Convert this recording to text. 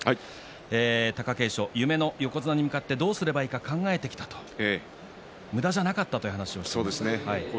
貴景勝は夢の横綱に向かってどうすればいいか考えてきたとむだじゃなかったという話をそうですね。